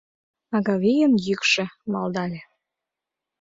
— Агавийын йӱкшӧ... — малдале.